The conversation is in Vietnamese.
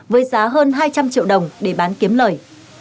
với giá hơn hai trăm linh triệu đồng để bán kiếm lời